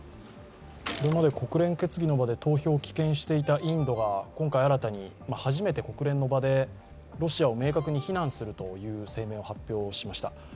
これまで国連決議の場で投票を棄権していたインドが今回新たに初めて国連の場でロシアを明確に非難するという声明を発表しました。